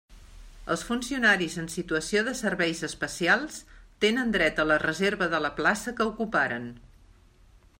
Els funcionaris en situació de serveis especials tenen dret a la reserva de la plaça que ocuparen.